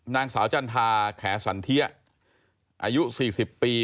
นางสาวจันทาแขสันเทียอายุ๔๐ปี